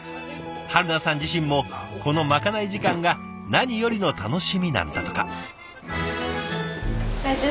春菜さん自身もこのまかない時間が何よりの楽しみなんだとか。